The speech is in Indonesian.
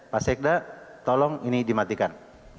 pak sekda tolong ini dimatikan